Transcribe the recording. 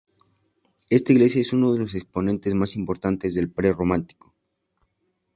Esta iglesia es uno de los exponentes más importantes del pre-románico.